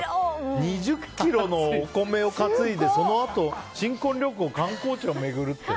２０ｋｇのお米を担いでそのあと、新婚旅行観光地を巡るって。